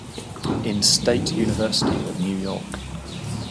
In State University of New York.